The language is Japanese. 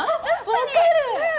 分かる！